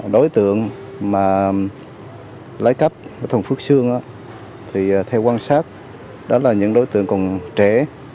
đối tượng mà lấy cắp thùng phước sương thì theo quan sát đó là những đối tượng còn trẻ